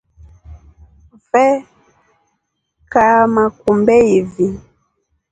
Vee kaama kumbe ivili.